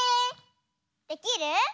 できる？